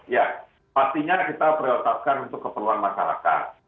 ya pastinya kita prioritaskan untuk keperluan masyarakat